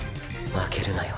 負けるなよ